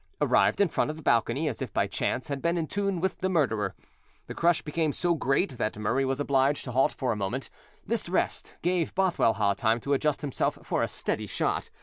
Arrived in front of the balcony, as if chance had been in tune with the murderer, the crush became so great that Murray was obliged to halt for a moment: this rest gave Bothwellhaugh time to adjust himself for a steady shot.